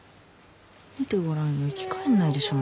見てごらんよ生き返んないでしょ